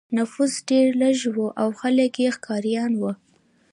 نفوس ډېر لږ و او خلک یې ښکاریان وو.